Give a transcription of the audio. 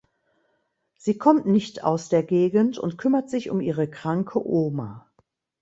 Sie kommt nicht aus der Gegend und kümmert sich um ihre kranke Oma.